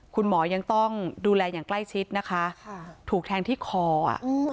คุณหมอยังต้องดูแลอย่างใกล้ชิดนะคะถูกแทงที่คออ่ะ